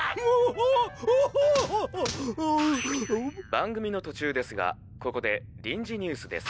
番組の途中ですがここで臨時ニュースです。